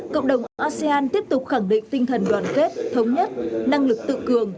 cộng đồng asean tiếp tục khẳng định tinh thần đoàn kết thống nhất năng lực tự cường